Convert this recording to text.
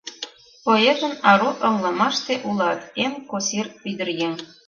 Поэтын ару ыҥлымаште улат эн косир ӱдыръеҥ.